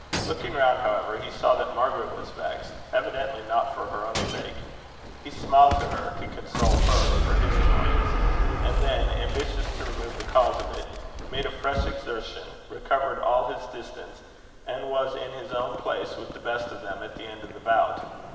Looking round, however, he saw that Margaret was vexed, evidently not for her own sake. He smiled to her, to console her for his annoyance; and then, ambitious to remove the cause of it, made a fresh exertion, recovered all his distance, and was in his own place with the best of them at the end of the bout.